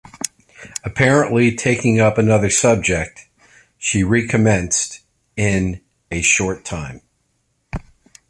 Apparently taking up another subject, she recommenced in a short time.